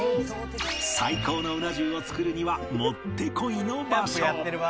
最高のうな重を作るにはもってこいの場所